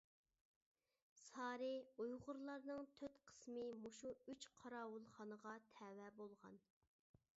سارى ئۇيغۇرلارنىڭ تۆت قىسمى مۇشۇ ئۈچ قاراۋۇلخانىغا تەۋە بولغان.